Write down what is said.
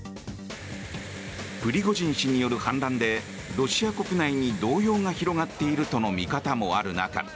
プリゴジン氏による反乱でロシア国内に動揺が広がっているとの見方もある中